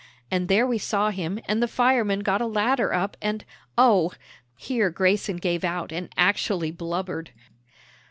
And there we saw him, and the firemen got a ladder up, and, oh " Here Grayson gave out and actually blubbered.